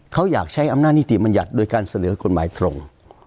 เขาอยากใช้อำนาจนิติบัญญัติโดยการเสนอกฎหมายตรง